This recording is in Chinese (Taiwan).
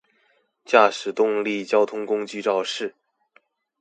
駕駛動力交通工具肇事